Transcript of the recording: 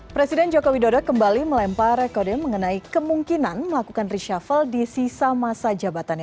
presiden jokowi dodo kembali melempar rekode mengenai kemungkinan melakukan reshuffle di sisa masa jabatannya